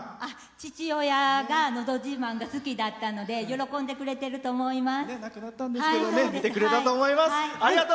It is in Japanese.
父親が「のど自慢」が好きだったので喜んでくれてると思います。